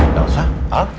gak usah al